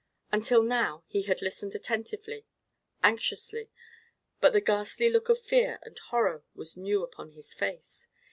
Until now he had listened attentively, anxiously; but the ghastly look of fear and horror was new upon his face.